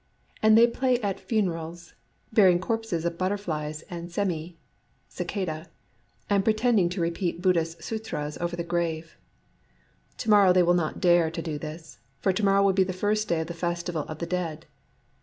And they play at funerals, — burying corpses of butterflies and semi (cicadse), and pretending to repeat Buddhist sutras over the grave. To morrow they will not dare to do this; for to morrow will be the first day of the festival of the Dead.